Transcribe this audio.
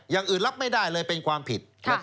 อย่างอื่นรับไม่ได้เลยเป็นความผิด